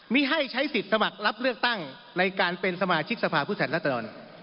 ไม่ให้ใช้สิทธิ์สมัครรับเลือกตั้งในการเป็นสมาชิกสภาพุทธศัตริย์รัฐธรรม